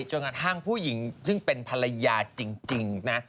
จนกระทั่งผู้หญิงซึ่งเป็นภรรยาจริงนะ